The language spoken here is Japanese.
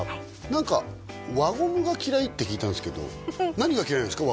何か輪ゴムが嫌いって聞いたんですけど何が嫌いなんですか？